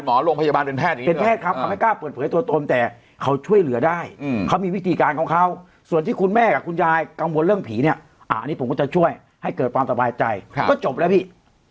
โรงพยาบาลเป็นแพทย์เองเป็นแพทย์ครับเขาไม่กล้าเปิดเผยตัวตนแต่เขาช่วยเหลือได้เขามีวิธีการของเขาส่วนที่คุณแม่กับคุณยายกังวลเรื่องผีเนี่ยอันนี้ผมก็จะช่วยให้เกิดความสบายใจก็จบแล้วพี่